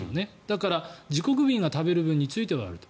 だから自国民が食べる分についてはあると。